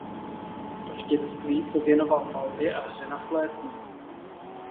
V dětství se věnoval malbě a hře na flétnu.